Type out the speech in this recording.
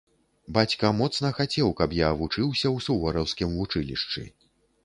Бацька моцна хацеў, каб я вучыўся ў сувораўскім вучылішчы.